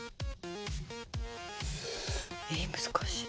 え難しい。